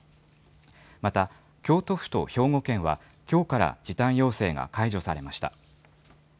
また、京都府と兵庫県は、きょうから時短要請が解除されました。